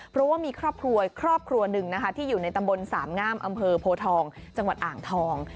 เพราะว่ามีครอบครัวครอบครัวหนึ่งนะคะที่อยู่ในตำบลสามงามอำเภอโพทองจังหวัดอ่างทอง